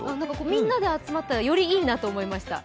みんなで集まったらよりいいなと思いました。